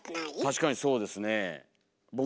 確かにそうですね。